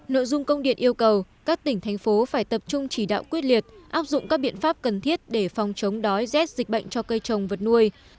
nội dung công điện yêu cầu các tỉnh thành phố phải tập trung chỉ đạo quyết liệt áp dụng các biện pháp cần thiết để phòng chống đói rét dịch bệnh cho cây trồng vật nuôi